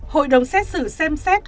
hội đồng xét xử xem xét